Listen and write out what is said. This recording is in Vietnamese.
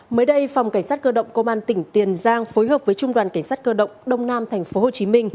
mới đây phòng cảnh sát cơ động công an tỉnh tiền giang phối hợp với trung đoàn cảnh sát cơ động đông nam tp hcm